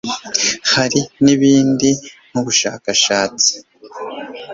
hari n'ibindi nk'ubushakashatsi